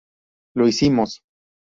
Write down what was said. Lo hicimos.